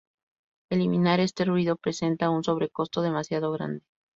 Eliminar este ruido presenta un sobrecoste demasiado grande.